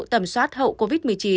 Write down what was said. tầm soát hậu covid một mươi chín